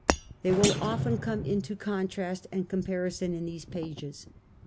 They will often come into con trast and comparison in these pages.